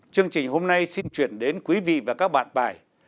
chương trình hôm nay xin chuyển đến quý vị và các bạn bài